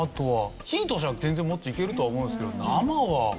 火を通したら全然もっといけるとは思うんですけど生は。